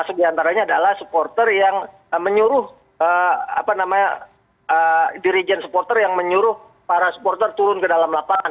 masuk di antaranya adalah supporter yang menyuruh apa namanya dirijen supporter yang menyuruh para supporter turun ke dalam lapangan